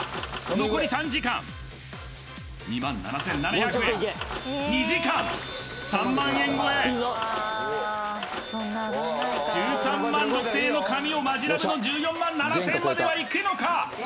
残り３時間２万７７００円２時間３万円超え１３万６０００円の神尾マヂラブの１４万７０００円まではいくのか？